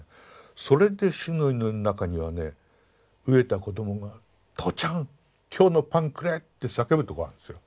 それで「主の祈り」の中にはね飢えた子どもが「とうちゃん今日のパンくれ！」って叫ぶとこがあるんですよ。